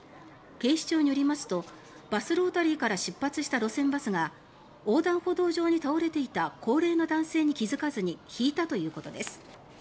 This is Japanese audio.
警視庁によりますとバスロータリーから出発した路線バスが横断歩道上に倒れていた高齢の男性に気付かずにひいたということです。